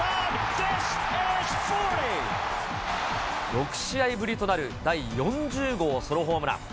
６試合ぶりとなる第４０号ソロホームラン。